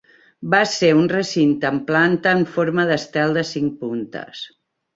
Va ser un recinte amb planta en forma d'estel de cinc puntes.